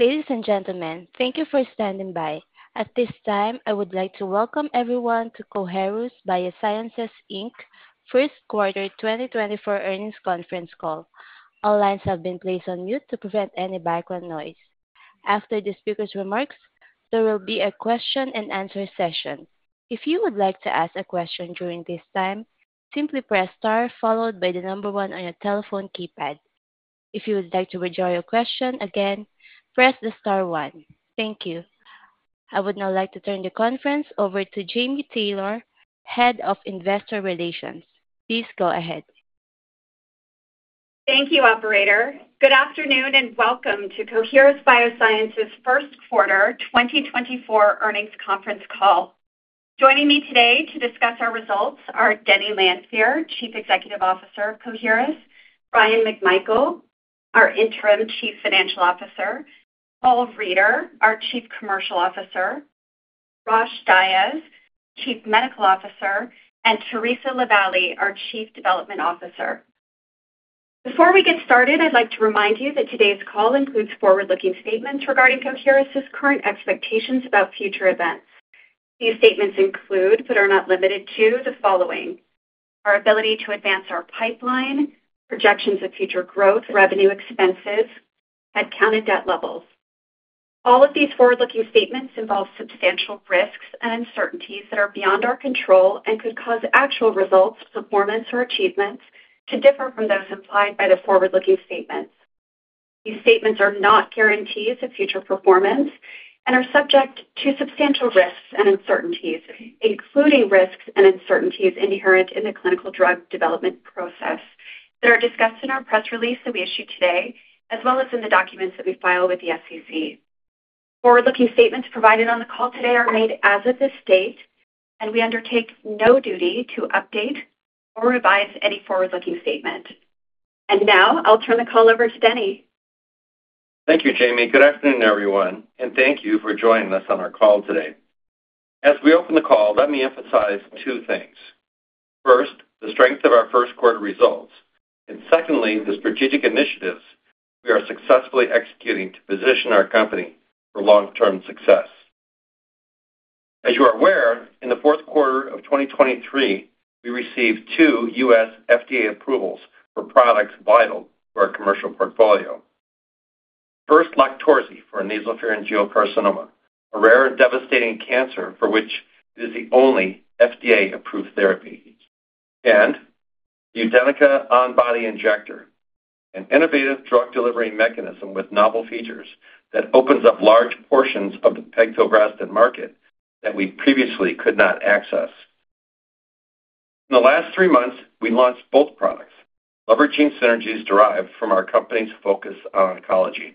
Ladies and gentlemen, thank you for standing by. At this time, I would like to welcome everyone to Coherus BioSciences, Inc Q1 2024 earnings conference call. All lines have been placed on mute to prevent any background noise. After the speaker's remarks, there will be a question-and-answer session. If you would like to ask a question during this time, simply press star followed by the number one on your telephone keypad. If you would like to rejoin your question again, press star one. Thank you. I would now like to turn the conference over to Jami Taylor, Head of Investor Relations. Please go ahead. Thank you, Operator. Good afternoon and welcome to Coherus BioSciences Q1 2024 earnings conference call. Joining me today to discuss our results are Denny Lanfear, Chief Executive Officer of Coherus; Bryan McMichael, our Interim Chief Financial Officer; Paul Reider, our Chief Commercial Officer; Rosh Dias, Chief Medical Officer; and Theresa LaVallee, our Chief Development Officer. Before we get started, I'd like to remind you that today's call includes forward-looking statements regarding Coherus' current expectations about future events. These statements include, but are not limited to, the following: our ability to advance our pipeline, projections of future growth, revenue expenses, and headcount and debt levels. All of these forward-looking statements involve substantial risks and uncertainties that are beyond our control and could cause actual results, performance, or achievements to differ from those implied by the forward-looking statements. These statements are not guarantees of future performance and are subject to substantial risks and uncertainties, including risks and uncertainties inherent in the clinical drug development process that are discussed in our press release that we issue today, as well as in the documents that we file with the SEC. Forward-looking statements provided on the call today are made as of this date, and we undertake no duty to update or revise any forward-looking statement. Now I'll turn the call over to Denny. Thank you, Jami. Good afternoon, everyone, and thank you for joining us on our call today. As we open the call, let me emphasize two things. First, the strength of our Q1 results. Secondly, the strategic initiatives we are successfully executing to position our company for long-term success. As you are aware, in the Q4 of 2023, we received two U.S. FDA approvals for products vital to our commercial portfolio. First, LOQTORZI for nasopharyngeal carcinoma, a rare and devastating cancer for which it is the only FDA-approved therapy. UDENYCA on-body injector, an innovative drug delivery mechanism with novel features that opens up large portions of the pegfilgrastim market that we previously could not access. In the last three months, we launched both products, leveraging synergies derived from our company's focus on oncology.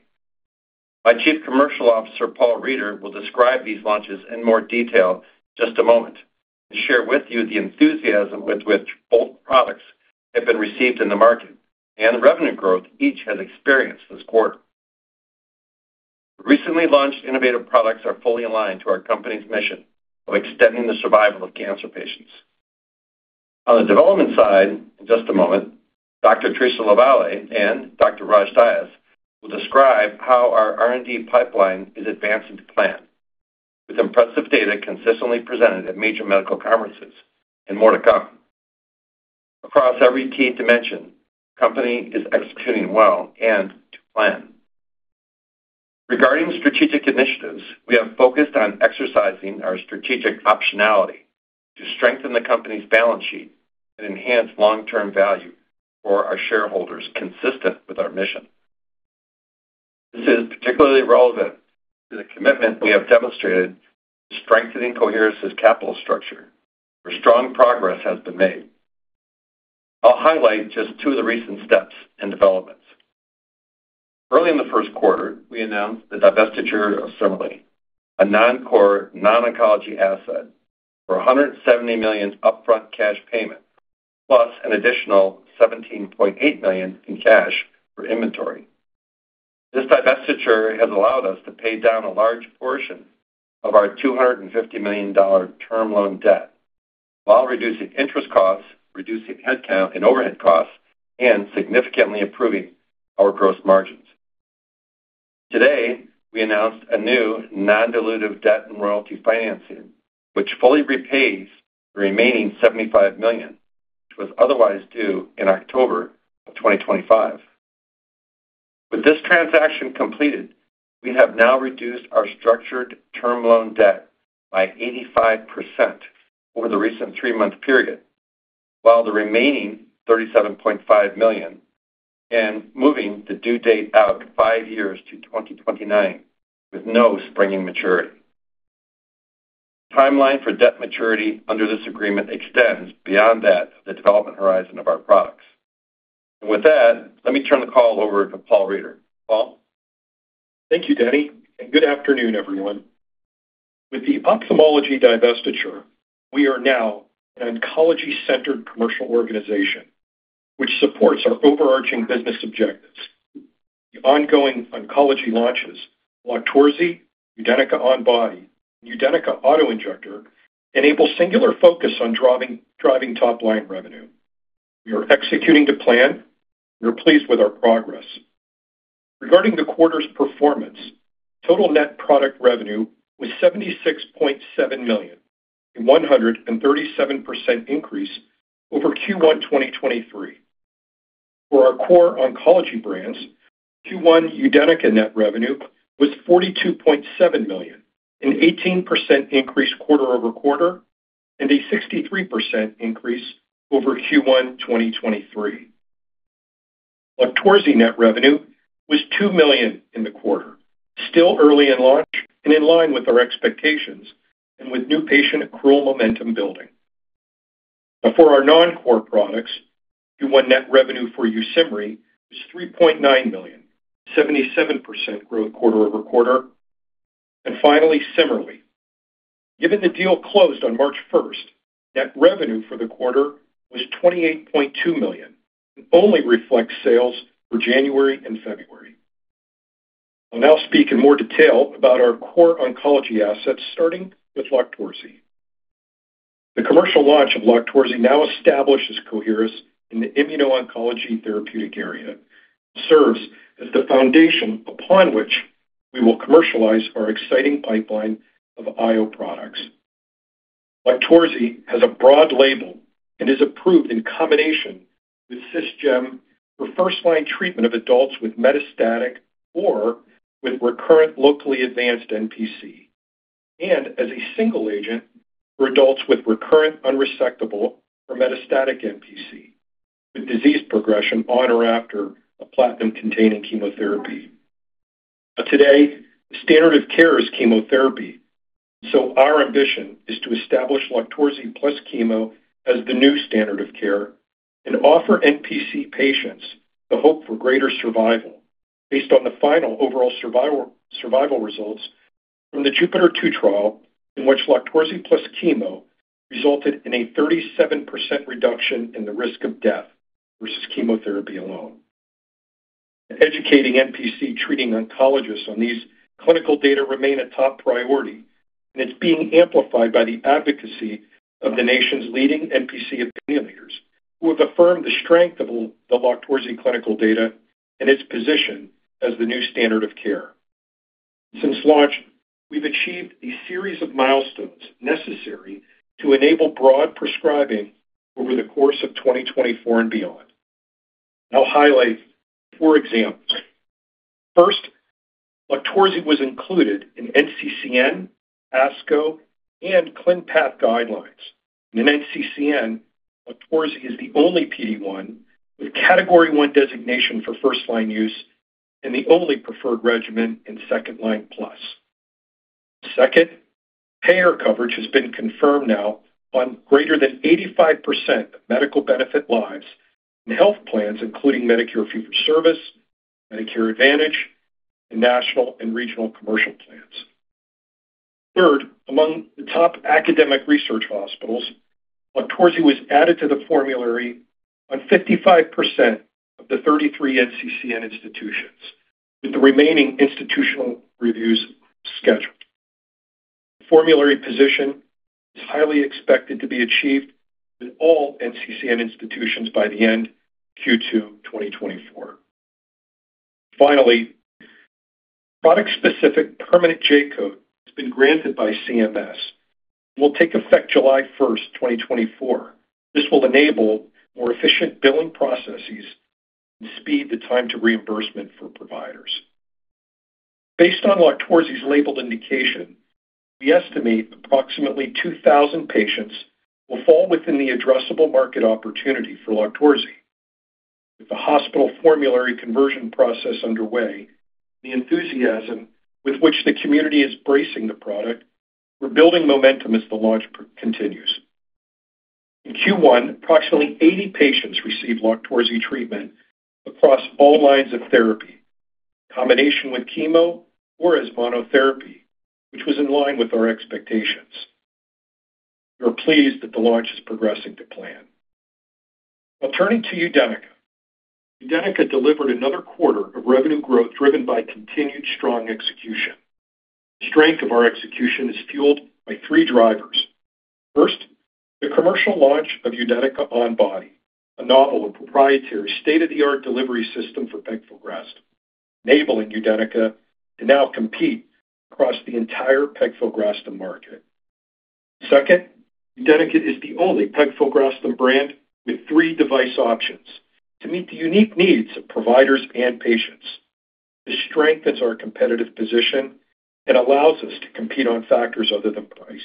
My Chief Commercial Officer, Paul Reider, will describe these launches in more detail in just a moment and share with you the enthusiasm with which both products have been received in the market and the revenue growth each has experienced this quarter. The recently launched innovative products are fully aligned to our company's mission of extending the survival of cancer patients. On the development side, in just a moment, Dr. Theresa LaVallee and Dr. Rosh Dias will describe how our R&D pipeline is advancing to plan, with impressive data consistently presented at major medical conferences and more to come. Across every key dimension, the company is executing well and to plan. Regarding strategic initiatives, we have focused on exercising our strategic optionality to strengthen the company's balance sheet and enhance long-term value for our shareholders consistent with our mission. This is particularly relevant to the commitment we have demonstrated to strengthening Coherus' capital structure, where strong progress has been made. I'll highlight just two of the recent steps and developments. Early in the Q1, we announced the divestiture of CIMERLI, a non-core, non-oncology asset, for $170 million upfront cash payment, plus an additional $17.8 million in cash for inventory. This divestiture has allowed us to pay down a large portion of our $250 million term loan debt while reducing interest costs, reducing headcount and overhead costs, and significantly improving our gross margins. Today, we announced a new non-dilutive debt and royalty financing, which fully repays the remaining $75 million, which was otherwise due in October of 2025. With this transaction completed, we have now reduced our structured term loan debt by 85% over the recent three-month period while the remaining $37.5 million and moving the due date out five years to 2029 with no springing maturity. The timeline for debt maturity under this agreement extends beyond that of the development horizon of our products. With that, let me turn the call over to Paul Reider. Paul? Thank you, Denny, and good afternoon, everyone. With the ophthalmology divestiture, we are now an oncology-centered commercial organization, which supports our overarching business objectives. The ongoing oncology launches, LOQTORZI, UDENYCA on-body, and UDENYCA autoinjector, enable singular focus on driving top-line revenue. We are executing to plan, and we're pleased with our progress. Regarding the quarter's performance, total net product revenue was $76.7 million, a 137% increase over Q1 2023. For our core oncology brands, Q1 UDENYCA net revenue was $42.7 million, an 18% increase quarter-over-quarter and a 63% increase over Q1 2023. LOQTORZI net revenue was $2 million in the quarter, still early in launch and in line with our expectations and with new patient accrual momentum building. Now, for our non-core products, Q1 net revenue for YUSIMRY was $3.9 million, 77% growth quarter-over-quarter. Finally, CIMERLI, given the deal closed on March 1st, net revenue for the quarter was $28.2 million and only reflects sales for January and February. I'll now speak in more detail about our core oncology assets, starting with LOQTORZI. The commercial launch of LOQTORZI now establishes Coherus in the immuno-oncology therapeutic area and serves as the foundation upon which we will commercialize our exciting pipeline of IO products. LOQTORZI has a broad label and is approved in combination with CisGem for first-line treatment of adults with metastatic or with recurrent locally advanced NPC and as a single agent for adults with recurrent unresectable or metastatic NPC, with disease progression on or after a platinum-containing chemotherapy. Today, the standard of care is chemotherapy, so our ambition is to establish LOQTORZI plus chemo as the new standard of care and offer NPC patients the hope for greater survival based on the final overall survival results from the JUPITER-02 trial, in which LOQTORZI plus chemo resulted in a 37% reduction in the risk of death versus chemotherapy alone. Educating NPC treating oncologists on these clinical data remain a top priority, and it's being amplified by the advocacy of the nation's leading NPC opinionators who have affirmed the strength of the LOQTORZI clinical data and its position as the new standard of care. Since launch, we've achieved a series of milestones necessary to enable broad prescribing over the course of 2024 and beyond. I'll highlight four examples. First, LOQTORZI was included in NCCN, ASCO, and ClinPath guidelines. In NCCN, LOQTORZI is the only PD-1 with Category 1 designation for first-line use and the only preferred regimen in second-line plus. Second, payer coverage has been confirmed now on greater than 85% of medical benefit lives in health plans, including Medicare Fee-for-Service, Medicare Advantage, and national and regional commercial plans. Third, among the top academic research hospitals, LOQTORZI was added to the formulary on 55% of the 33 NCCN institutions, with the remaining institutional reviews scheduled. The formulary position is highly expected to be achieved in all NCCN institutions by the end of Q2 2024. Finally, product-specific permanent J-code has been granted by CMS and will take effect July 1st, 2024. This will enable more efficient billing processes and speed the time to reimbursement for providers. Based on LOQTORZI's labeled indication, we estimate approximately 2,000 patients will fall within the addressable market opportunity for LOQTORZI. With the hospital formulary conversion process underway and the enthusiasm with which the community is embracing the product, we're building momentum as the launch continues. In Q1, approximately 80 patients received LOQTORZI treatment across all lines of therapy, in combination with chemo or as monotherapy, which was in line with our expectations. We are pleased that the launch is progressing to plan. Now turning to UDENYCA. UDENYCA delivered another quarter of revenue growth driven by continued strong execution. The strength of our execution is fueled by three drivers. First, the commercial launch of UDENYCA on-body, a novel and proprietary state-of-the-art delivery system for pegfilgrastim, enabling UDENYCA to now compete across the entire pegfilgrastim market. Second, UDENYCA is the only pegfilgrastim brand with three device options to meet the unique needs of providers and patients. This strengthens our competitive position and allows us to compete on factors other than price.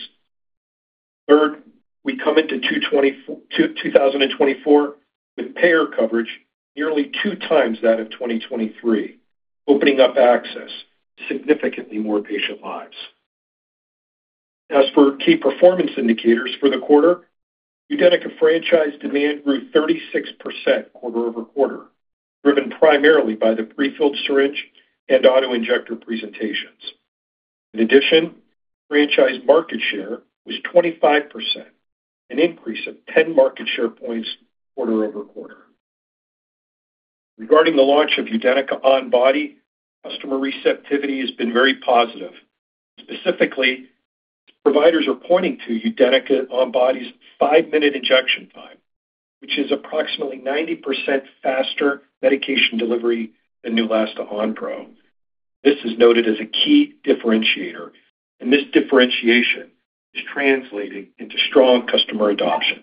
Third, we come into 2024 with payer coverage nearly 2x that of 2023, opening up access to significantly more patient lives. As for key performance indicators for the quarter, UDENYCA franchise demand grew 36% quarter-over-quarter, driven primarily by the prefilled syringe and auto injector presentations. In addition, franchise market share was 25%, an increase of 10 market share points quarter-over-quarter. Regarding the launch of UDENYCA on-body, customer receptivity has been very positive. Specifically, providers are pointing to UDENYCA on-body's five-minute injection time, which is approximately 90% faster medication delivery than Neulasta Onpro. This is noted as a key differentiator, and this differentiation is translating into strong customer adoption.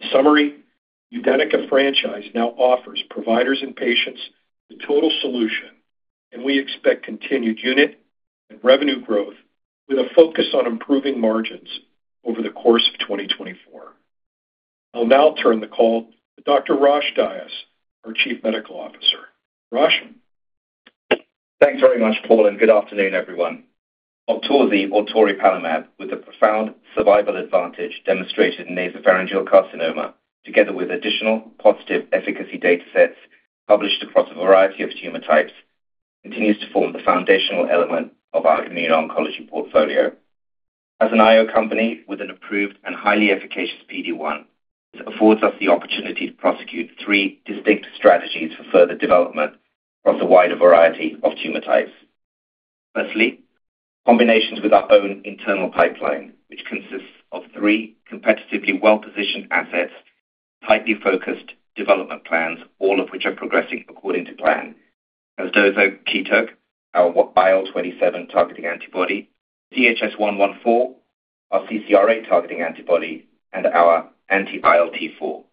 In summary, UDENYCA franchise now offers providers and patients the total solution, and we expect continued unit and revenue growth with a focus on improving margins over the course of 2024. I'll now turn the call to Dr. Rosh Dias, our Chief Medical Officer. Rosh? Thanks very much, Paul, and good afternoon, everyone. LOQTORZI or toripalimab, with the profound survival advantage demonstrated in nasopharyngeal carcinoma, together with additional positive efficacy datasets published across a variety of tumor types, continues to form the foundational element of our immuno-oncology portfolio. As an IO company with an approved and highly efficacious PD-1, this affords us the opportunity to prosecute three distinct strategies for further development across a wider variety of tumor types. Firstly, combinations with our own internal pipeline, which consists of three competitively well-positioned assets, tightly focused development plans, all of which are progressing according to plan, as does our casdozokitug, our IL-27 targeting antibody, CHS-114, our CCR8 targeting antibody, and our anti-ILT4.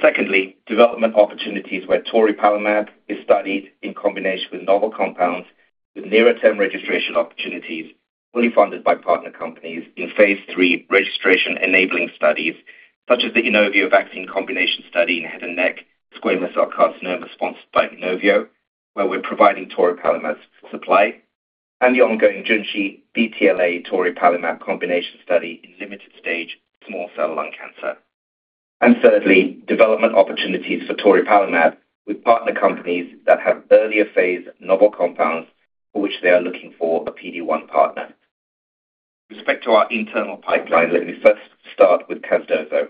Secondly, development opportunities where toripalimab is studied in combination with novel compounds with near-term registration opportunities, fully funded by partner companies in phase III registration-enabling studies, such as the Inovio vaccine combination study in head and neck squamous cell carcinoma sponsored by Inovio, where we're providing toripalimab's supply, and the ongoing Junshi BTLA toripalimab combination study in limited-stage small cell lung cancer. And thirdly, development opportunities for toripalimab with partner companies that have earlier-phase novel compounds for which they are looking for a PD-1 partner. With respect to our internal pipeline, let me first start with casdozokitug.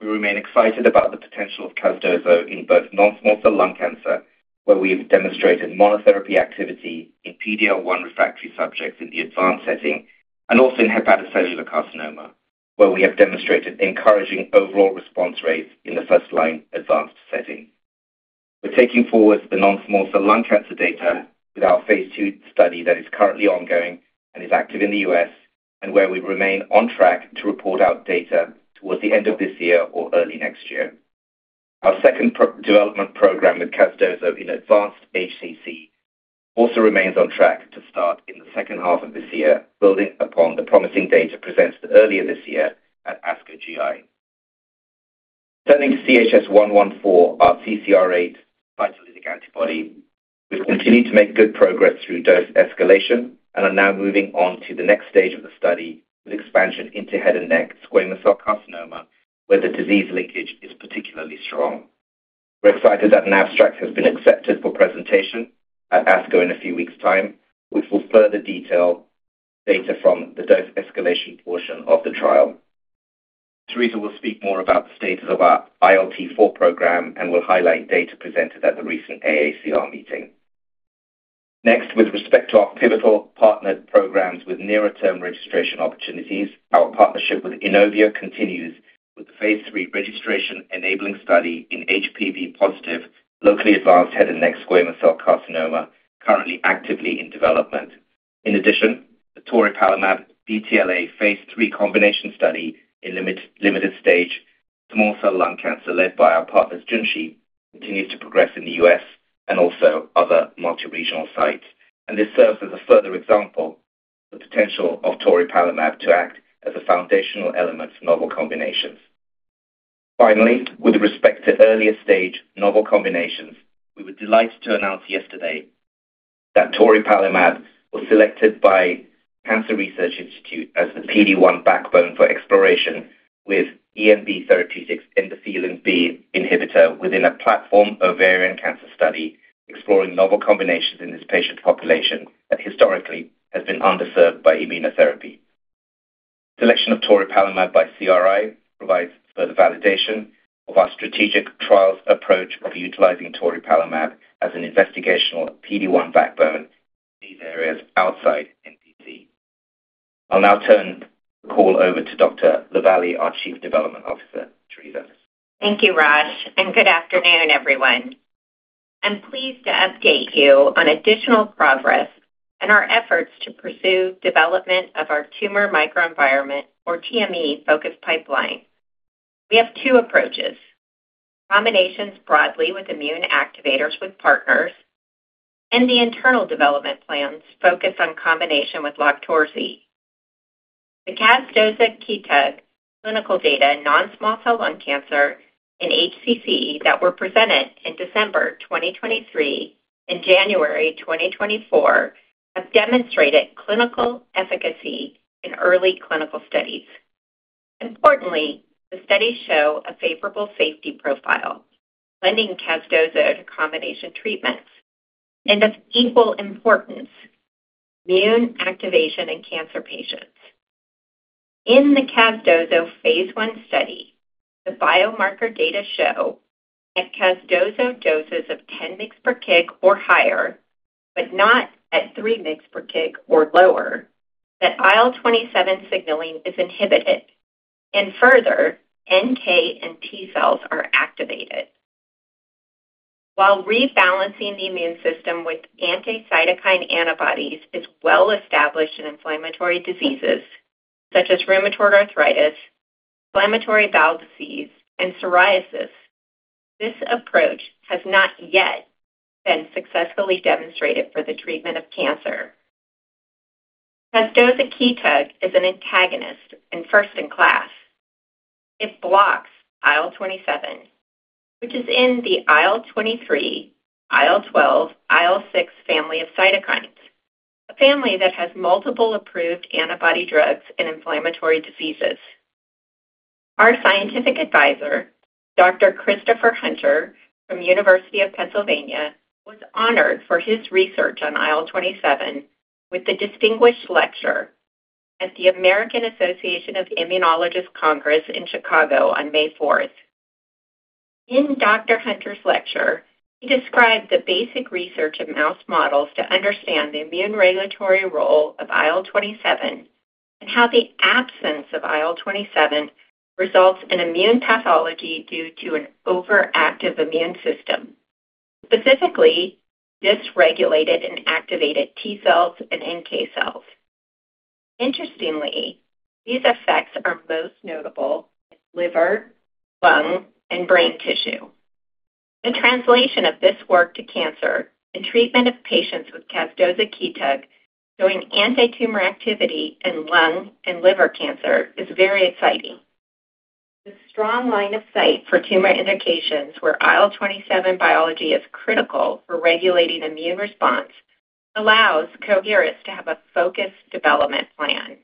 We remain excited about the potential of casdozokitug in both non-small cell lung cancer, where we have demonstrated monotherapy activity in PDL1 refractory subjects in the advanced setting, and also in hepatocellular carcinoma, where we have demonstrated encouraging overall response rates in the first-line advanced setting. We're taking forward the non-small cell lung cancer data with our phase II study that is currently ongoing and is active in the US, and where we remain on track to report out data towards the end of this year or early next year. Our second development program with Casdozo in advanced HCC also remains on track to start in the second half of this year, building upon the promising data presented earlier this year at ASCO GI. Turning to CHS-114, our CCR8 cytolytic antibody, we've continued to make good progress through dose escalation and are now moving on to the next stage of the study with expansion into head and neck squamous cell carcinoma, where the disease linkage is particularly strong. We're excited that an abstract has been accepted for presentation at ASCO in a few weeks' time, which will further detail data from the dose escalation portion of the trial. Theresa will speak more about the status of our ILT4 program and will highlight data presented at the recent AACR meeting. Next, with respect to our pivotal partnered programs with near-term registration opportunities, our partnership with Inovio continues with the phase III registration-enabling study in HPV-positive locally advanced head and neck squamous cell carcinoma, currently actively in development. In addition, the toripalimab BTLA phase III combination study in limited-stage small cell lung cancer led by our partners Junshi continues to progress in the U.S. and also other multi-regional sites, and this serves as a further example of the potential of toripalimab to act as a foundational element for novel combinations. Finally, with respect to earlier-stage novel combinations, we were delighted to announce yesterday that toripalimab was selected by Cancer Research Institute as the PD-1 backbone for exploration with ENB-003 endothelin B inhibitor within a platform ovarian cancer study exploring novel combinations in this patient population that historically has been underserved by immunotherapy. Selection of toripalimab by CRI provides further validation of our strategic trials approach of utilizing toripalimab as an investigational PD-1 backbone in these areas outside NPC. I'll now turn the call over to Dr. LaVallee, our Chief Development Officer. Theresa. Thank you, Rosh, and good afternoon, everyone. I'm pleased to update you on additional progress and our efforts to pursue development of our tumor microenvironment, or TME, focused pipeline. We have two approaches: combinations broadly with immune activators with partners and the internal development plans focused on combination with LOQTORZI. The casdozokitug clinical data in non-small cell lung cancer in HCC that were presented in December 2023 and January 2024 have demonstrated clinical efficacy in early clinical studies. Importantly, the studies show a favorable safety profile, lending casdozokitug to combination treatments and, of equal importance, immune activation in cancer patients. In the casdozokitug phase I study, the biomarker data show at casdozokitug doses of 10 mg/kg or higher, but not at 3 mg/kg or lower, that IL-27 signaling is inhibited, and further, NK and T-cells are activated. While rebalancing the immune system with anticytokine antibodies is well established in inflammatory diseases such as rheumatoid arthritis, inflammatory bowel disease, and psoriasis, this approach has not yet been successfully demonstrated for the treatment of cancer. Casdozokitug is an antagonist and first-in-class. It blocks IL-27, which is in the IL-23, IL-12, IL-6 family of cytokines, a family that has multiple approved antibody drugs in inflammatory diseases. Our scientific advisor, Dr. Christopher Hunter from the University of Pennsylvania, was honored for his research on IL-27 with the distinguished lecture at the American Association of Immunologists Congress in Chicago on May 4th. In Dr. Hunter's lecture, he described the basic research of mouse models to understand the immune regulatory role of IL-27 and how the absence of IL-27 results in immune pathology due to an overactive immune system, specifically dysregulated and activated T-cells and NK-cells. Interestingly, these effects are most notable in liver, lung, and brain tissue. The translation of this work to cancer and treatment of patients with casdozokitug showing antitumor activity in lung and liver cancer is very exciting. The strong line of sight for tumor indications where IL-27 biology is critical for regulating immune response allows Coherus to have a focused development plan.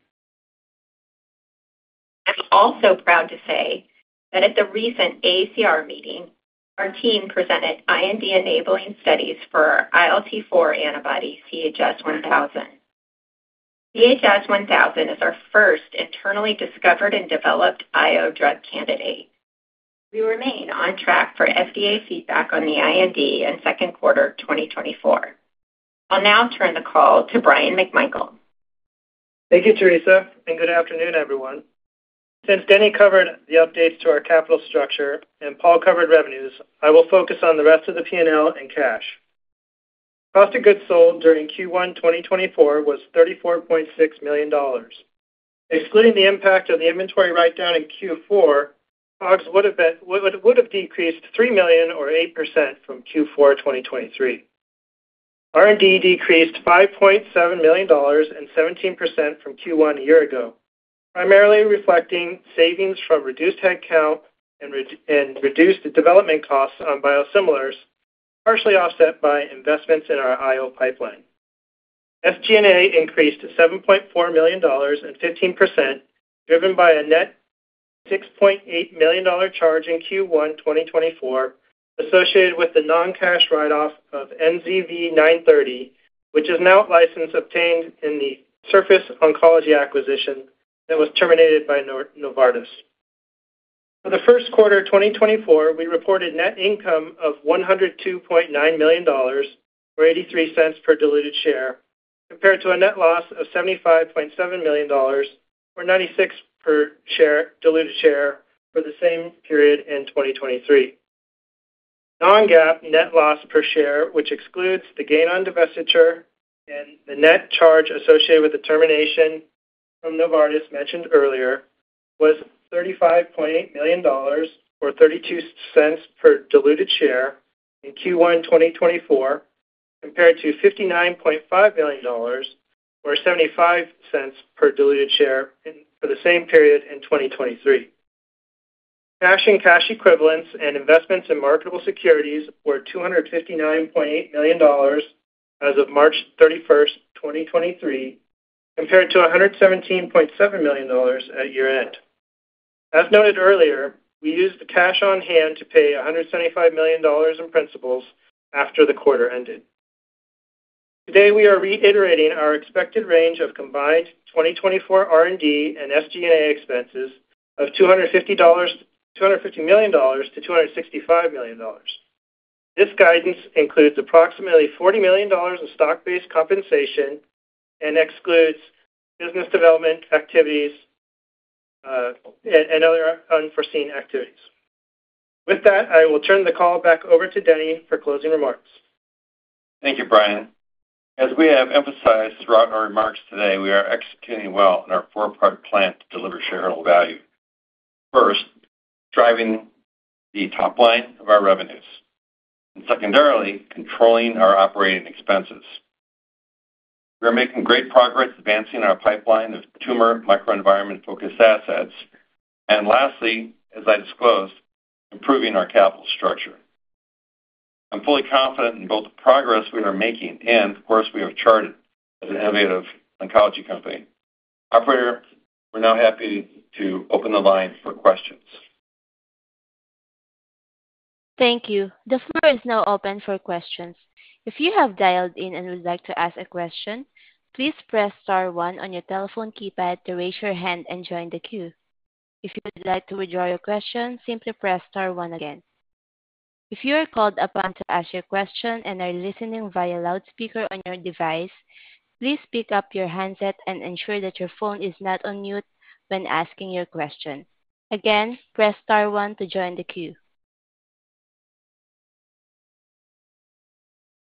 I'm also proud to say that at the recent AACR meeting, our team presented IND-enabling studies for our ILT4 antibody, CHS-1000. CHS-1000 is our first internally discovered and developed IO drug candidate. We remain on track for FDA feedback on the IND in Q2 2024. I'll now turn the call to Bryan McMichael. Thank you, Theresa, and good afternoon, everyone. Since Denny covered the updates to our capital structure and Paul covered revenues, I will focus on the rest of the P&L and cash. Cost of goods sold during Q1 2024 was $34.6 million. Excluding the impact of the inventory write-down in Q4, COGS would have decreased $3 million or 8% from Q4 2023. R&D decreased $5.7 million and 17% from Q1 a year ago, primarily reflecting savings from reduced headcount and reduced development costs on biosimilars, partially offset by investments in our IO pipeline. SG&A increased $7.4 million and 15%, driven by a net $6.8 million charge in Q1 2024 associated with the non-cash write-off of NZV930, which is now a license obtained in the Surface Oncology acquisition that was terminated by Novartis. For the Q1 2024, we reported net income of $102.9 million or $0.83 per diluted share, compared to a net loss of $75.7 million or $0.96 per diluted share for the same period in 2023. Non-GAAP net loss per share, which excludes the gain on divestiture and the net charge associated with the termination from Novartis mentioned earlier, was $35.8 million or $0.32 per diluted share in Q1 2024, compared to $59.5 million or $0.75 per diluted share for the same period in 2023. Cash and cash equivalents and investments in marketable securities were $259.8 million as of March 31st, 2024, compared to $117.7 million at year-end. As noted earlier, we used the cash on hand to pay $175 million in principal after the quarter ended. Today, we are reiterating our expected range of combined 2024 R&D and SG&A expenses of $250 million-$265 million. This guidance includes approximately $40 million in stock-based compensation and excludes business development activities and other unforeseen activities. With that, I will turn the call back over to Denny for closing remarks. Thank you, Brian. As we have emphasized throughout our remarks today, we are executing well in our four-part plan to deliver shareholder value, first, driving the top line of our revenues, and secondarily, controlling our operating expenses. We are making great progress advancing our pipeline of tumor microenvironment-focused assets, and lastly, as I disclosed, improving our capital structure. I'm fully confident in both the progress we are making and, of course, we have charted as an innovative oncology company. Operator, we're now happy to open the line for questions. Thank you. The floor is now open for questions. If you have dialed in and would like to ask a question, please press star one on your telephone keypad to raise your hand and join the queue. If you would like to withdraw your question, simply press star one again. If you are called upon to ask your question and are listening via loudspeaker on your device, please pick up your handset and ensure that your phone is not on mute when asking your question. Again, press star one to join the queue.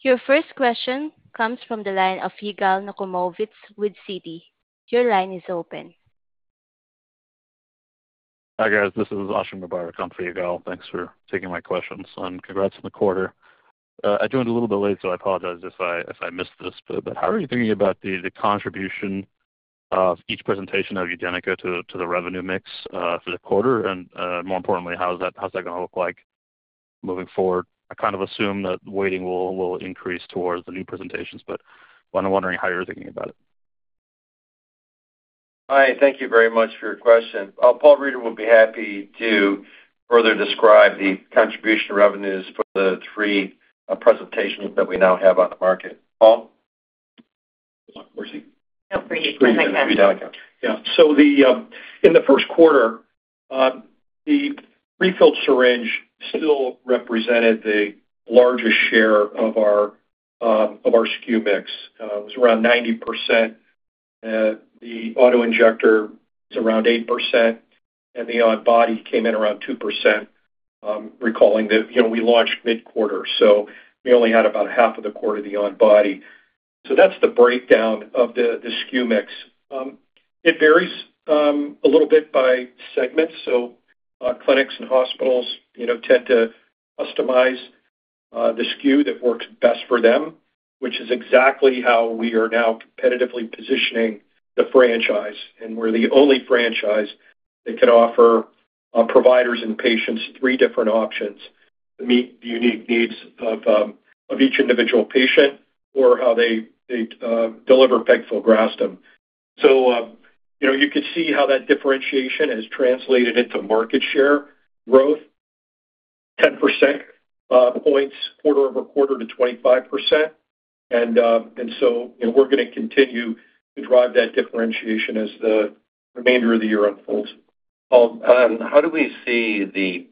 Your first question comes from the line of Yigal Nochomovitz with Citi. Your line is open. Hi guys. This is Asha. I'm for Yigal. Thanks for taking my questions and congrats on the quarter. I joined a little bit late, so I apologize if I missed this, but how are you thinking about the contribution of each presentation of UDENYCA to the revenue mix for the quarter? And more importantly, how's that going to look like moving forward? I kind of assume that waiting will increase towards the new presentations, but I'm wondering how you're thinking about it. All right. Thank you very much for your question. Paul Reider would be happy to further describe the contribution revenues for the three presentations that we now have on the market. Paul? No, Brian. Thank you. Yeah. So in the Q1, the refilled syringe still represented the largest share of our SKU mix. It was around 90%. The autoinjector was around 8%, and the on-body came in around 2%, recalling that we launched mid-quarter, so we only had about half of the quarter of the on-body. So that's the breakdown of the SKU mix. It varies a little bit by segment, so clinics and hospitals tend to customize the SKU that works best for them, which is exactly how we are now competitively positioning the franchise. And we're the only franchise that can offer providers and patients three different options: to meet the unique needs of each individual patient or how they deliver pegfilgrastim. So you could see how that differentiation has translated into market share growth, 10 percentage points, quarter-over-quarter to 25%. And so we're going to continue to drive that differentiation as the remainder of the year unfolds. Paul, how do we see the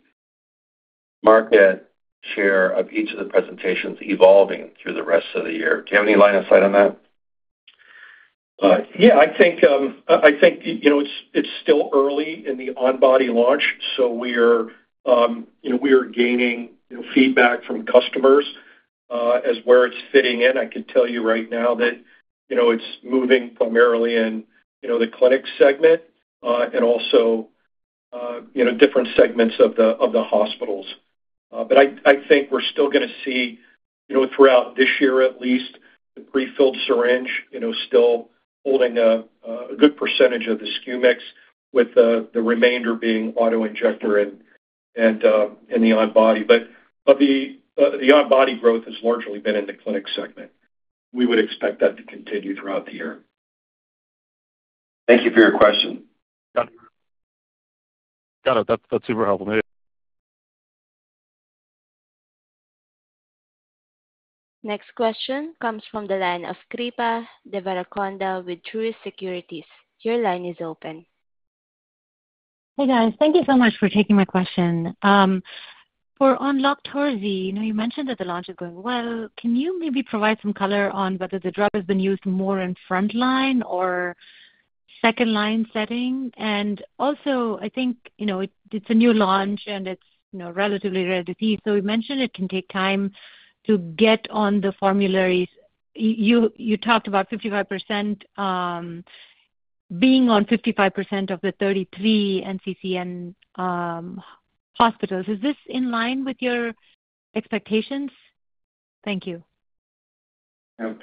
market share of each of the presentations evolving through the rest of the year? Do you have any line of sight on that? Yeah. I think it's still early in the on-body launch, so we are gaining feedback from customers as where it's fitting in. I could tell you right now that it's moving primarily in the clinic segment and also different segments of the hospitals. But I think we're still going to see throughout this year, at least, the prefilled syringe still holding a good percentage of the SKU mix, with the remainder being autoinjector and the on-body. But the on-body growth has largely been in the clinic segment. We would expect that to continue throughout the year. Thank you for your question. Got it. That's super helpful. Next question comes from the line of Kripa Devarakonda with Truist Securities. Your line is open. Hey guys. Thank you so much for taking my question. For on LOQTORZI, you mentioned that the launch is going well. Can you maybe provide some color on whether the drug has been used more in frontline or second-line setting? And also, I think it's a new launch and it's relatively rare to see, so you mentioned it can take time to get on the formularies. You talked about being on 55% of the 33 NCCN hospitals. Is this in line with your expectations? Thank you.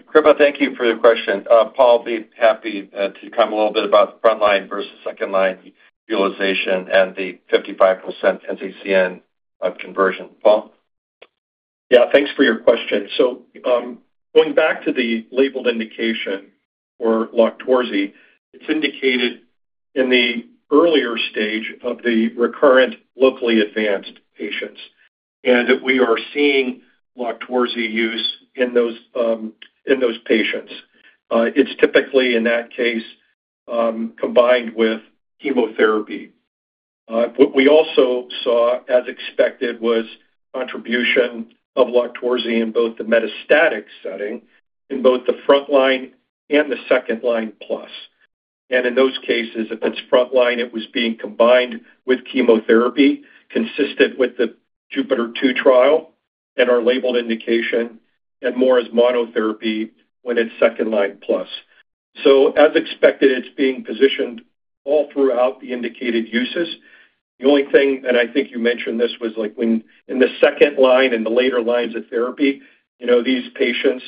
Kripa, thank you for the question. Paul, I'd be happy to comment a little bit about the frontline versus second-line utilization and the 55% NCCN conversion. Paul? Yeah. Thanks for your question. So going back to the labeled indication for LOQTORZI, it's indicated in the earlier stage of the recurrent locally advanced patients, and we are seeing LOQTORZI use in those patients. It's typically, in that case, combined with chemotherapy. What we also saw as expected was contribution of LOQTORZI in both the metastatic setting, in both the frontline and the second-line plus. And in those cases, if it's frontline, it was being combined with chemotherapy, consistent with the JUPITER-02 trial and our labeled indication, and more as monotherapy when it's second-line plus. So as expected, it's being positioned all throughout the indicated uses. The only thing that I think you mentioned this was in the second line and the later lines of therapy, these patients'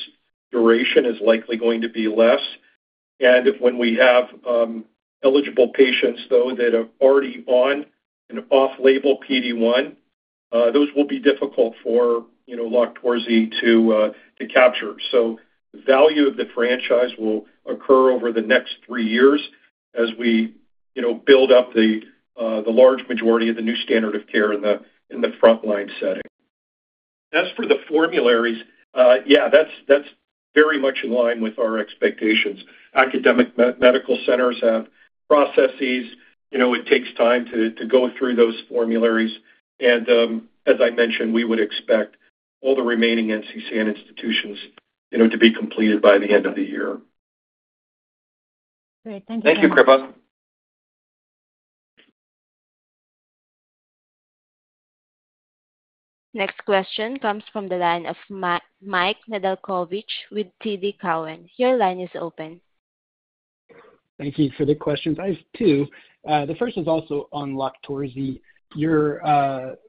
duration is likely going to be less. And when we have eligible patients, though, that are already on and off-label PD-1, those will be difficult for LOQTORZI to capture. So the value of the franchise will occur over the next three years as we build up the large majority of the new standard of care in the frontline setting. As for the formularies, yeah, that's very much in line with our expectations. Academic medical centers have processes. It takes time to go through those formularies. And as I mentioned, we would expect all the remaining NCCN institutions to be completed by the end of the year. Great. Thank you very much. Thank you, Kripa. Next question comes from the line of Mike Nedelcovych with TD Cowen. Your line is open. Thank you for the questions. I have two. The first is also on LOQTORZI. Your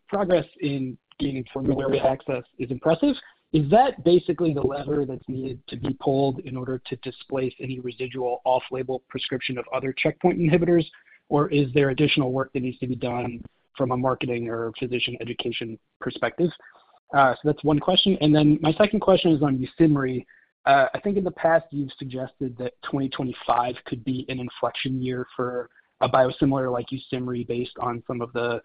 progress in gaining formulary access is impressive. Is that basically the lever that's needed to be pulled in order to displace any residual off-label prescription of other checkpoint inhibitors, or is there additional work that needs to be done from a marketing or physician education perspective? So that's one question. And then my second question is on YUSIMRY. I think in the past, you've suggested that 2025 could be an inflection year for a biosimilar like YUSIMRY based on some of the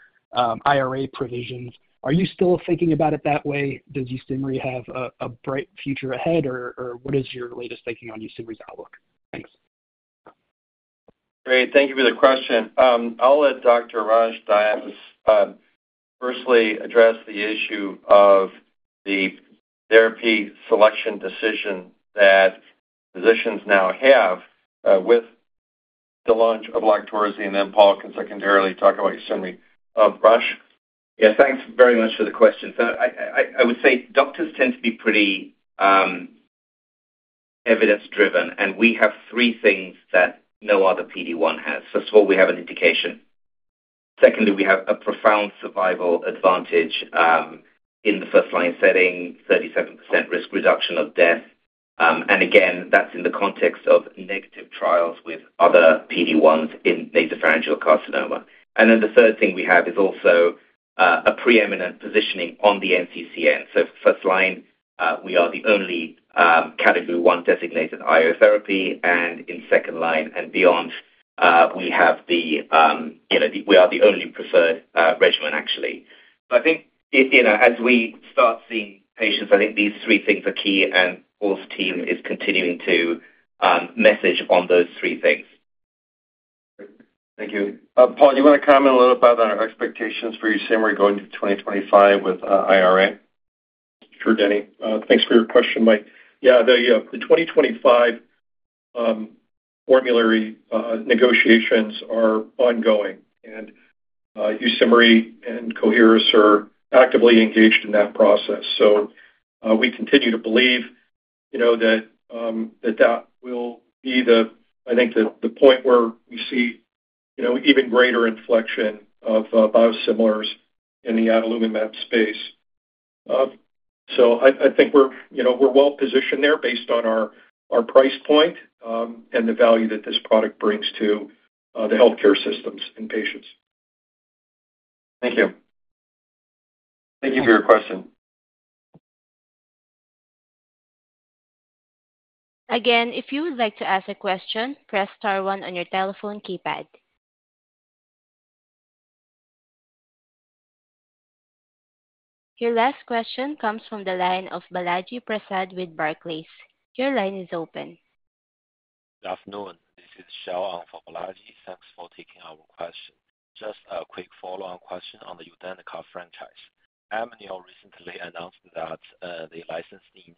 IRA provisions. Are you still thinking about it that way? Does YUSIMRY have a bright future ahead, or what is your latest thinking on YUSIMRY's outlook? Thanks. Great. Thank you for the question. I'll let Dr. Rosh Dias firstly address the issue of the therapy selection decision that physicians now have with the launch of LOQTORZI, and then Paul can secondarily talk about YUSIMRY. Rosh? Yeah. Thanks very much for the question. So I would say doctors tend to be pretty evidence-driven, and we have three things that no other PD-1 has. First of all, we have an indication. Secondly, we have a profound survival advantage in the first-line setting, 37% risk reduction of death. And again, that's in the context of negative trials with other PD-1s in nasopharyngeal carcinoma. And then the third thing we have is also a pre-eminent positioning on the NCCN. So first line, we are the only Category 1 designated immunotherapy, and in second line and beyond, we are the only preferred regimen, actually. So I think as we start seeing patients, I think these three things are key, and Paul's team is continuing to message on those three things. Great. Thank you. Paul, do you want to comment a little about our expectations for YUSIMRY going into 2025 with IRA? Sure, Denny. Thanks for your question, Mike. Yeah, the 2025 formulary negotiations are ongoing, and YUSIMRY and Coherus are actively engaged in that process. So we continue to believe that that will be the, I think, the point where we see even greater inflection of biosimilars in the adalimumab space. So I think we're well positioned there based on our price point and the value that this product brings to the healthcare systems and patients. Thank you. Thank you for your question. Again, if you would like to ask a question, press star one on your telephone keypad. Your last question comes from the line of Balaji Prasad with Barclays. Your line is open. Good afternoon. This is Xiao Ang for Balaji. Thanks for taking our question. Just a quick follow-on question on the UDENYCA franchise. Amneal recently announced that they licensed in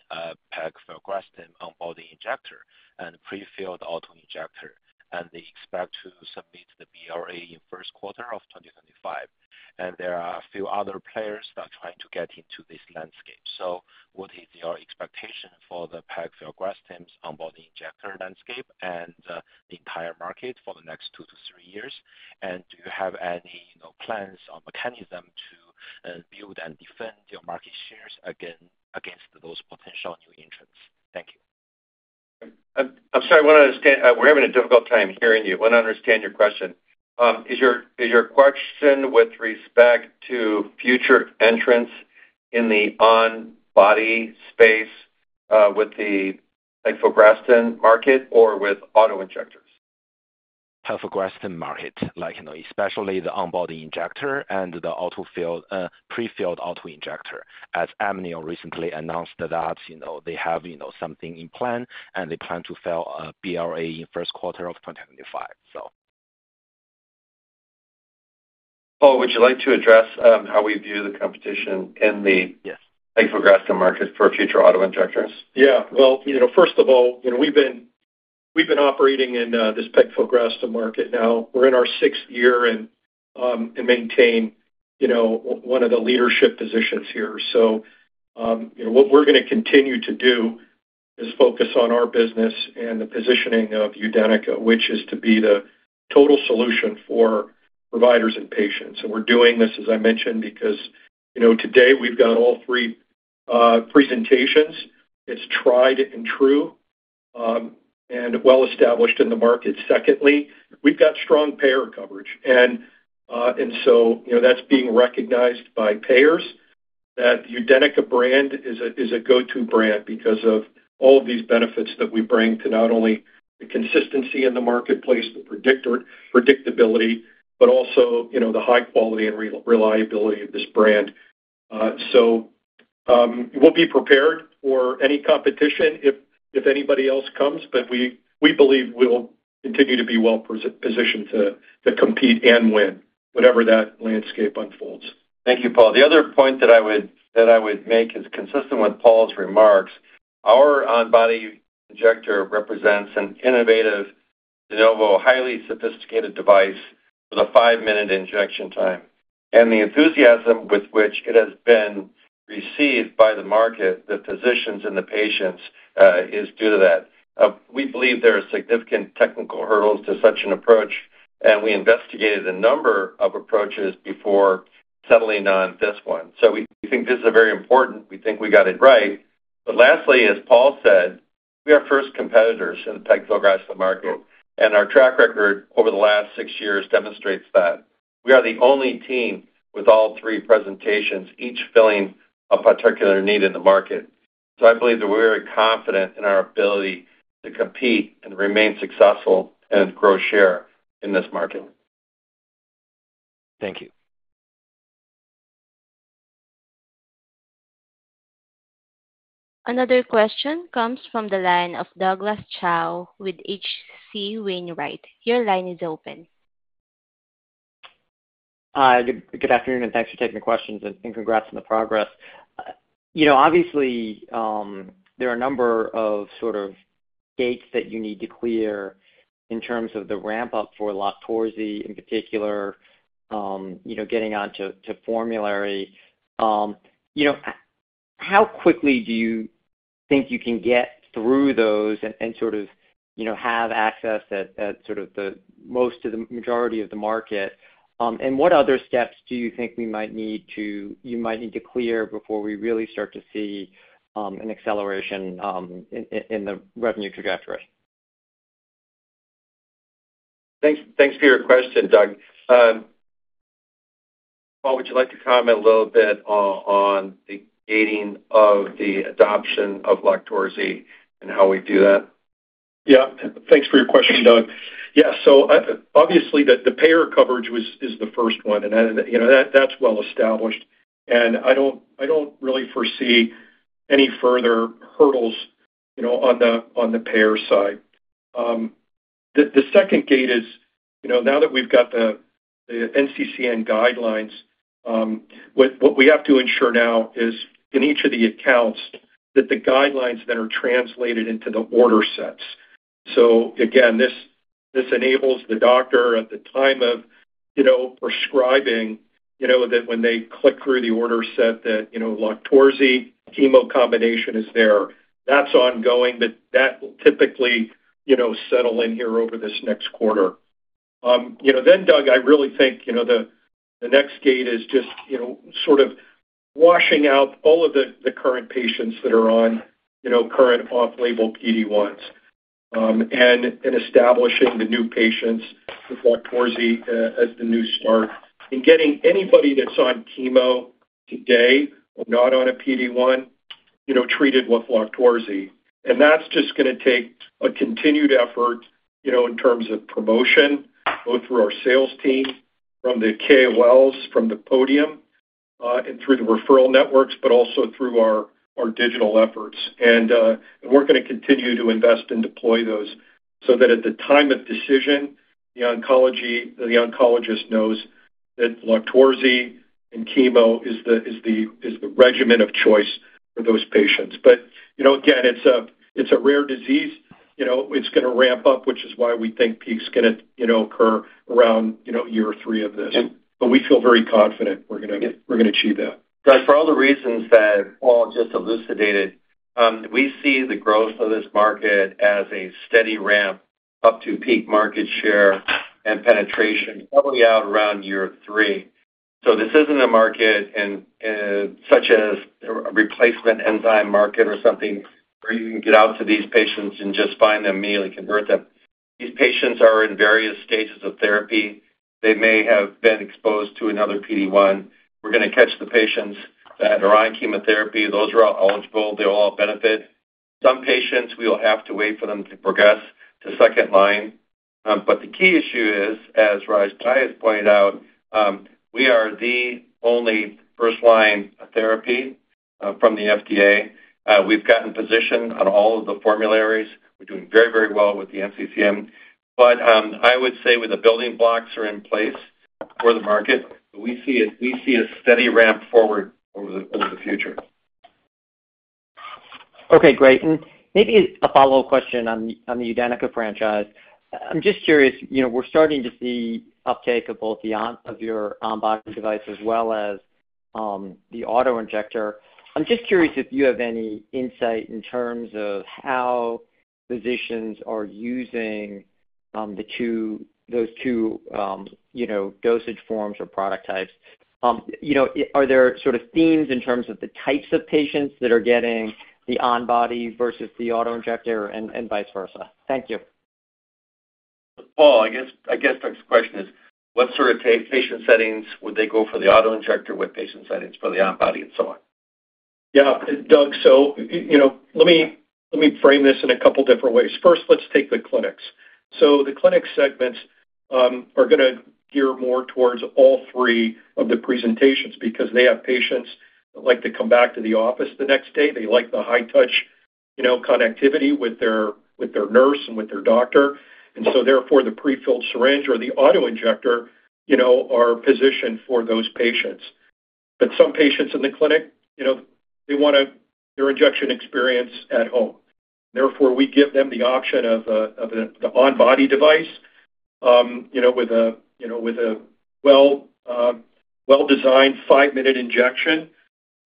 pegfilgrastim on-body injector and prefilled autoinjector, and they expect to submit the BLA in Q1 of 2025. There are a few other players that are trying to get into this landscape. What is your expectation for the pegfilgrastim on-body injector landscape and the entire market for the next two to three years? And do you have any plans or mechanism to build and defend your market shares against those potential new entrants? Thank you. I'm sorry. We're having a difficult time hearing you. I want to understand your question. Is your question with respect to future entrants in the on-body space with the pegfilgrastim market or with autoinjectors? Pegfilgrastim market, especially the on-body injector and the prefilled autoinjector, as Amgen recently announced that they have something in plan and they plan to file a BLA in Q1 of 2025, so. Paul, would you like to address how we view the competition in the pegfilgrastim market for future autoinjectors? Yeah. Well, first of all, we've been operating in this pegfilgrastim market now. We're in our sixth year and maintain one of the leadership positions here. So what we're going to continue to do is focus on our business and the positioning of UDENYCA, which is to be the total solution for providers and patients. And we're doing this, as I mentioned, because today we've got all three presentations. It's tried and true and well-established in the market. Secondly, we've got strong payer coverage. And so that's being recognized by payers, that the UDENYCA brand is a go-to brand because of all of these benefits that we bring to not only the consistency in the marketplace, the predictability, but also the high quality and reliability of this brand. So we'll be prepared for any competition if anybody else comes, but we believe we'll continue to be well-positioned to compete and win whatever that landscape unfolds. Thank you, Paul. The other point that I would make is consistent with Paul's remarks. Our on-body injector represents an innovative de novo, highly sophisticated device with a five-minute injection time. The enthusiasm with which it has been received by the market, the physicians, and the patients is due to that. We believe there are significant technical hurdles to such an approach, and we investigated a number of approaches before settling on this one. We think this is very important. We think we got it right. Lastly, as Paul said, we are first competitors in the pegfilgrastim market, and our track record over the last six years demonstrates that. We are the only team with all three presentations, each filling a particular need in the market. I believe that we're very confident in our ability to compete and remain successful and grow share in this market. Thank you. Another question comes from the line of Douglas Tsao with H.C. Wainwright. Your line is open. Good afternoon, and thanks for taking the questions and congrats on the progress. Obviously, there are a number of sort of gates that you need to clear in terms of the ramp-up for LOQTORZI in particular, getting onto formulary. How quickly do you think you can get through those and sort of have access at sort of the most to the majority of the market? And what other steps do you think we might need to clear before we really start to see an acceleration in the revenue trajectory? Thanks for your question, Doug. Paul, would you like to comment a little bit on the gating of the adoption of LOQTORZI and how we do that? Yeah. Thanks for your question, Doug. Yeah. So obviously, the payer coverage is the first one, and that's well-established. And I don't really foresee any further hurdles on the payer side. The second gate is now that we've got the NCCN guidelines, what we have to ensure now is in each of the accounts that the guidelines then are translated into the order sets. So again, this enables the doctor at the time of prescribing that when they click through the order set that LOQTORZI chemo combination is there. That's ongoing, but that will typically settle in here over this next quarter. Then, Doug, I really think the next gate is just sort of washing out all of the current patients that are on current off-label PD-1s and establishing the new patients with LOQTORZI as the new start and getting anybody that's on chemo today or not on a PD-1 treated with LOQTORZI. And that's just going to take a continued effort in terms of promotion, both through our sales team, from the KOLs, from the podium, and through the referral networks, but also through our digital efforts. And we're going to continue to invest and deploy those so that at the time of decision, the oncologist knows that LOQTORZI and chemo is the regimen of choice for those patients. But again, it's a rare disease. It's going to ramp up, which is why we think peak's going to occur around year three of this. But we feel very confident we're going to achieve that. Doug, for all the reasons that Paul just elucidated, we see the growth of this market as a steady ramp up to peak market share and penetration probably out around year three. So this isn't a market such as a replacement enzyme market or something where you can get out to these patients and just find them, immediately convert them. These patients are in various stages of therapy. They may have been exposed to another PD-1. We're going to catch the patients that are on chemotherapy. Those are all eligible. They'll all benefit. Some patients, we will have to wait for them to progress to second line. But the key issue is, as Rosh Dias pointed out, we are the only first-line therapy from the FDA. We've gotten position on all of the formularies. We're doing very, very well with the NCCN. I would say when the building blocks are in place for the market, we see a steady ramp forward over the future. Okay. Great. And maybe a follow-up question on the UDENYCA franchise. I'm just curious. We're starting to see uptake of both your on-body device as well as the autoinjector. I'm just curious if you have any insight in terms of how physicians are using those two dosage forms or product types. Are there sort of themes in terms of the types of patients that are getting the on-body versus the autoinjector and vice versa? Thank you. Paul, I guess Doug's question is, what sort of patient settings would they go for the autoinjector with patient settings for the on-body and so on? Yeah. Doug, so let me frame this in a couple of different ways. First, let's take the clinics. So the clinic segments are going to gear more towards all three of the presentations because they have patients that like to come back to the office the next day. They like the high-touch connectivity with their nurse and with their doctor. And so therefore, the prefilled syringe or the autoinjector are positioned for those patients. But some patients in the clinic, they want their injection experience at home. Therefore, we give them the option of the on-body device with a well-designed five minute injection.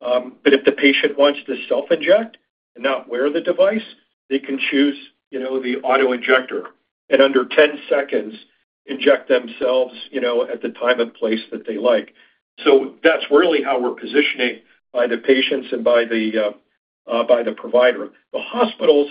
But if the patient wants to self-inject and not wear the device, they can choose the autoinjector and under 10 seconds inject themselves at the time and place that they like. So that's really how we're positioning by the patients and by the provider. The hospitals,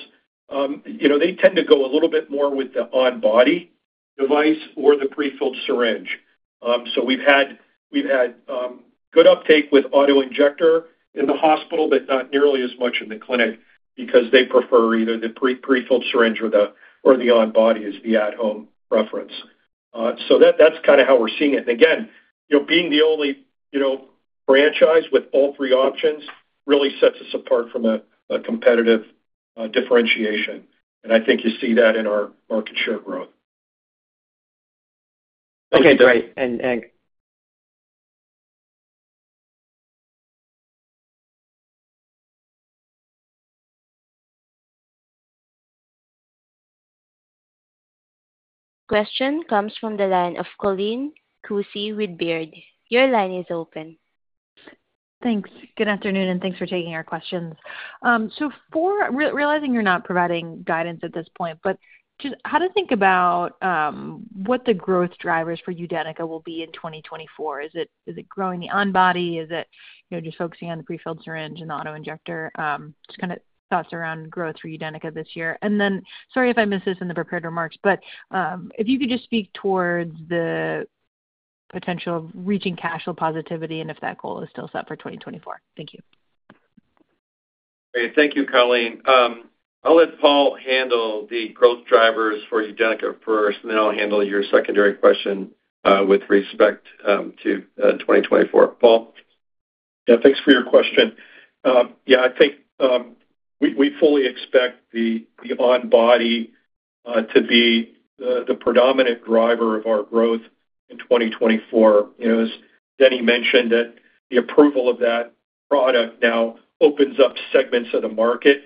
they tend to go a little bit more with the on-body device or the prefilled syringe. So we've had good uptake with autoinjector in the hospital but not nearly as much in the clinic because they prefer either the prefilled syringe or the on-body as the at-home preference. So that's kind of how we're seeing it. And again, being the only franchise with all three options really sets us apart from a competitive differentiation. And I think you see that in our market share growth. Okay. Great. And. Question comes from the line of Colleen Kusey with Baird. Your line is open. Thanks. Good afternoon, and thanks for taking our questions. So realizing you're not providing guidance at this point, but just how to think about what the growth drivers for UDENYCA will be in 2024? Is it growing the on-body? Is it just focusing on the prefilled syringe and the autoinjector? Just kind of thoughts around growth for UDENYCA this year. And then sorry if I missed this in the prepared remarks, but if you could just speak towards the potential of reaching cash flow positivity and if that goal is still set for 2024. Thank you. Great. Thank you, Colleen. I'll let Paul handle the growth drivers for UDENYCA first, and then I'll handle your secondary question with respect to 2024. Paul? Yeah. Thanks for your question. Yeah. I think we fully expect the on-body to be the predominant driver of our growth in 2024. As Denny mentioned, the approval of that product now opens up segments of the market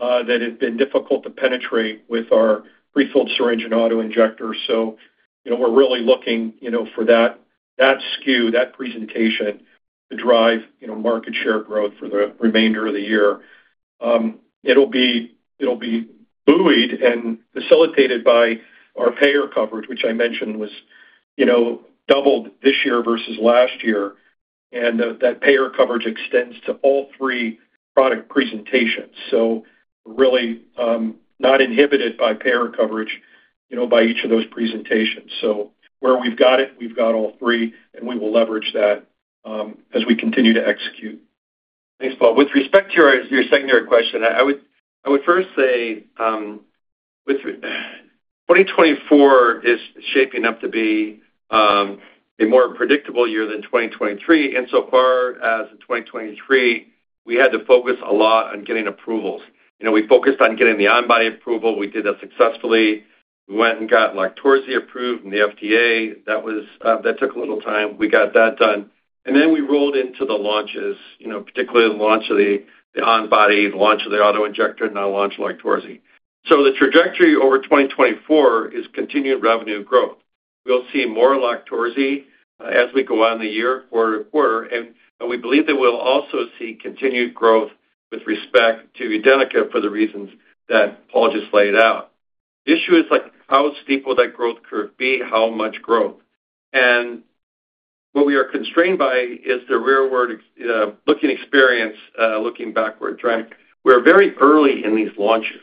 that have been difficult to penetrate with our prefilled syringe and autoinjector. So we're really looking for that SKU, that presentation to drive market share growth for the remainder of the year. It'll be buoyed and facilitated by our payer coverage, which I mentioned was doubled this year versus last year. That payer coverage extends to all three product presentations. So we're really not inhibited by payer coverage by each of those presentations. So where we've got it, we've got all three, and we will leverage that as we continue to execute. Thanks, Paul. With respect to your secondary question, I would first say 2024 is shaping up to be a more predictable year than 2023. And so far as in 2023, we had to focus a lot on getting approvals. We focused on getting the on-body approval. We did that successfully. We went and got LOQTORZI approved from the FDA. That took a little time. We got that done. And then we rolled into the launches, particularly the launch of the on-body, the launch of the autoinjector, and now launch LOQTORZI. So the trajectory over 2024 is continued revenue growth. We'll see more LOQTORZI as we go on the year quarter to quarter. And we believe that we'll also see continued growth with respect to UDENYCA for the reasons that Paul just laid out. The issue is how steep will that growth curve be, how much growth? What we are constrained by is the rearward-looking experience looking backward, right? We're very early in these launches.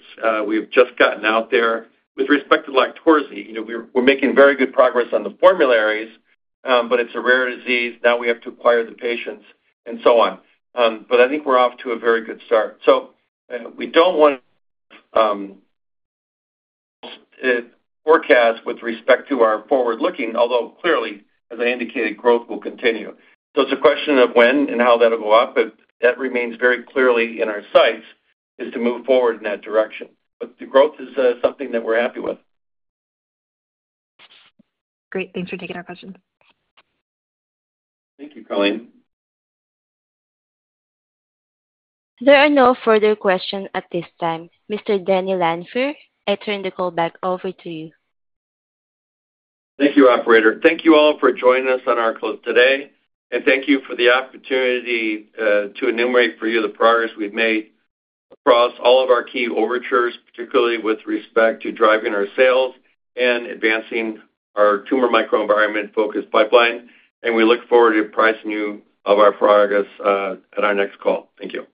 We have just gotten out there. With respect to LOQTORZI, we're making very good progress on the formularies, but it's a rare disease. Now we have to acquire the patients and so on. But I think we're off to a very good start. So we don't want to forecast with respect to our forward-looking, although clearly, as I indicated, growth will continue. So it's a question of when and how that'll go up. But that remains very clearly in our sights is to move forward in that direction. But the growth is something that we're happy with. Great. Thanks for taking our questions. Thank you, Colleen. There are no further questions at this time. Mr. Denny Lanfear, I turn the call back over to you. Thank you, operator. Thank you all for joining us on our call today. Thank you for the opportunity to enumerate for you the progress we've made across all of our key overtures, particularly with respect to driving our sales and advancing our tumor microenvironment-focused pipeline. We look forward to apprising you of our progress at our next call. Thank you.